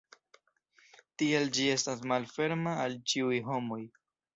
Tial ĝi estas malferma al ĉiuj homoj.